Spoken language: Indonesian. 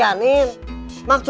masih ada lagi